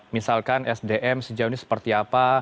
misalkan sdm sejauh ini seperti apa